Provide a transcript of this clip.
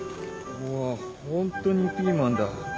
うわホントにピーマンだ。